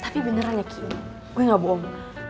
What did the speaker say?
tapi beneran ya kiki gue gak bohong